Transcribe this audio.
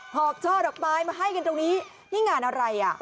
อบช่อดอกไม้มาให้กันตรงนี้นี่งานอะไรอ่ะ